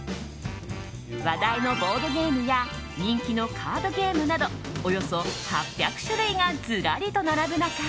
話題のボードゲームや人気のカードゲームなどおよそ８００種類がずらりと並ぶ中